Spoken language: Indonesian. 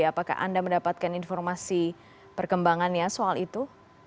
apakah anda mendapatkan informasi perkembangannya soal itu